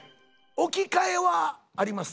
置き換えはあります。